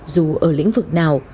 dù ở lĩnh vực nào